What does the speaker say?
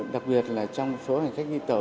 đặc biệt là trong số hành khách đi tàu